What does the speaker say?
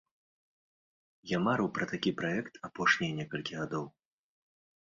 Я марыў пра такі праект апошнія некалькі гадоў.